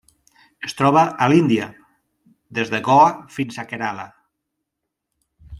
Es troba a l'Índia: des de Goa fins a Kerala.